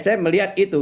saya melihat itu